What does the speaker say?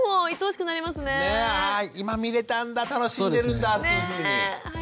今見れたんだ楽しんでるんだっていうふうに。